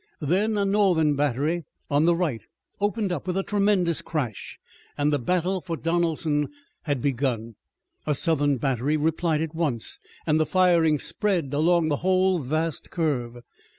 Then a Northern battery on the right opened with a tremendous crash and the battle for Donelson had begun. A Southern battery replied at once and the firing spread along the whole vast curve.